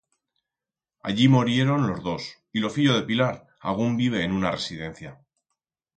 Allí morieron los dos y lo fillo de Pilar agún vive en una residencia.